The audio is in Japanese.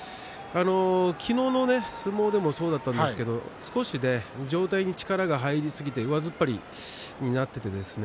昨日の相撲でもそうだったんですけど少し上体に力が入りすぎて上突っ張りになっていてですね